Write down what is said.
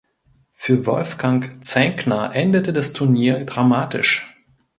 Für Wolfgang Zenkner endete das Turnier dramatisch.